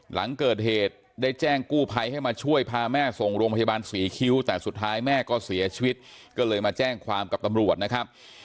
หลังเกิดเหตุได้แจ้งกู้ภัยให้มาช่วยพาแม่ส่งโรงพยาบาลศรีคิ้วแต่สุดท้ายแม่ก็เสียชีวิตก็เลยมาแจ้งความกับตำรวจนะครับ